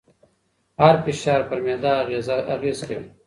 هر فشار پر معده اغېز کوي.